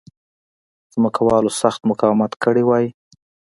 ځمکوالو سخت مقاومت کړی وای.